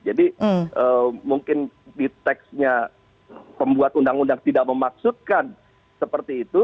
jadi mungkin di teksnya pembuat undang undang tidak memaksudkan seperti itu